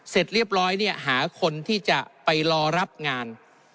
เสร็จเรียบร้อยเนี่ยหาคนที่จะไปรอรับงาน